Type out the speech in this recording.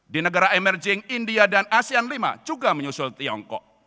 di negara emerging india dan asean lima juga menyusul tiongkok